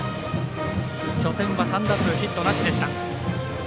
初戦は３打数ヒットなしでした。